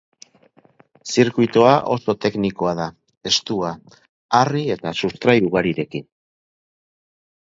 Zirkuitoa oso teknikoa da, estua, harri eta sustrai ugarirekin.